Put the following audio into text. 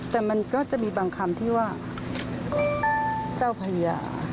แต่มันก็จะมีบางคำที่ว่าเจ้าพญา